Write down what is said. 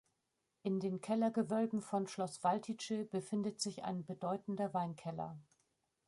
In den Kellergewölben von Schloss Valtice befindet sich ein bedeutender Weinkeller.